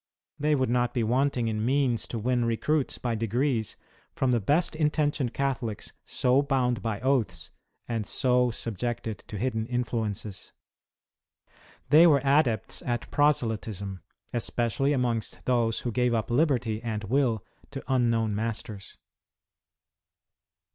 They would not be wanting in means to win recruits by degrees from the best intentioned Catholics so bound by oaths, and so sub jected to hidden influences. They were adepts at proselytism, especially amongst those who gave up liberty and will to unknown masters.